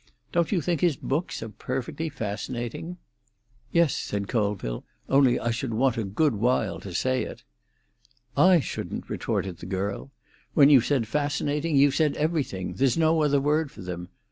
Don't you think his books are perfectly fascinating?" "Yes," said Colville; "only I should want a good while to say it." "I shouldn't!" retorted the girl. "When you've said fascinating, you've said everything. There's no other word for them.